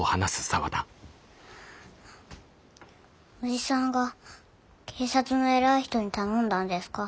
叔父さんが警察の偉い人に頼んだんですか？